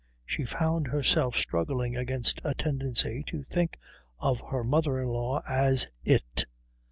She found herself struggling against a tendency to think of her mother in law as It.